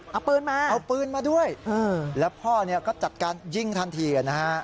เอาปืนมาเอาปืนมาด้วยแล้วพ่อเนี่ยก็จัดการยิงทันทีนะฮะ